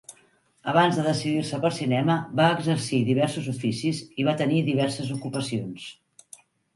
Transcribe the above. Abans de decidir-se pel cinema, va exercir diversos oficis, i va tenir diverses ocupacions.